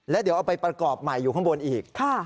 แล้วเดี๋ยวเอาไปประกอบใหม่อยู่ข้างบนอีก